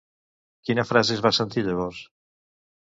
Quina frase es va sentir llavors?